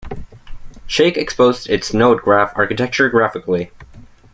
Shake exposed its node graph architecture graphically.